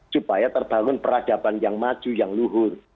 supaya terbangun peradaban yang maju yang luhur